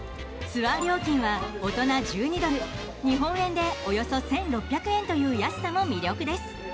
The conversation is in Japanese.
ツアー料金は大人１２ドル日本円でおよそ１６００円という安さも魅力です。